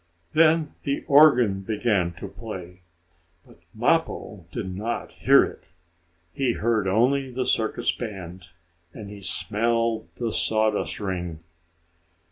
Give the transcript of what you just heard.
Then the organ began to play. But Mappo did not hear it. He heard only the circus band. And he smelled the sawdust ring.